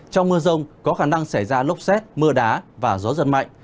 trong mưa rông có khả năng xảy ra lốc xét mưa đá và gió giật mạnh